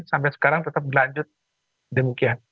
sampai sekarang tetap berlanjut demikian